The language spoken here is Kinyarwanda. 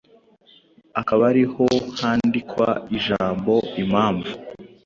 akaba ariho handikwa ijambo impamvu.